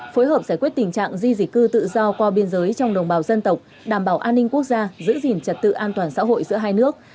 phối hợp giải quyết tình trạng di di cư tự do qua biên giới trong đồng bào dân tộc đảm bảo an ninh quốc gia giữ gìn trật tự an toàn xã hội giữa hai nước